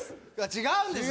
違うんですね